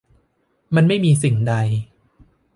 มันไม่มีสิ่งใด